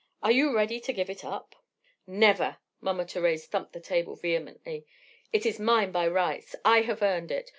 Are you ready to give it up?" "Never!" Mama Thérèse thumped the table vehemently. "It is mine by rights, I have earned it.